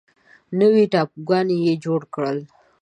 نوي ټاپوګانو یې جوړ کړل.